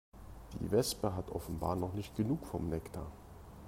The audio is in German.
Die Wespe hat offenbar noch nicht genug vom Nektar.